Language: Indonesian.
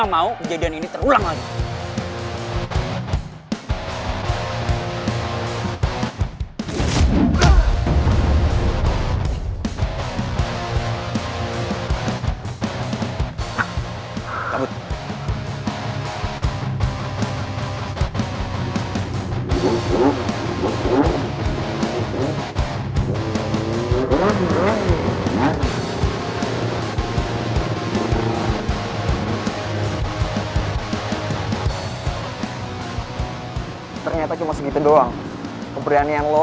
lo denger semuanya ya